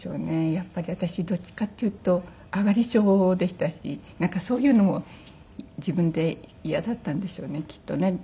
やっぱり私どっちかっていうと上がり症でしたしなんかそういうのも自分でイヤだったんでしょうねきっとね。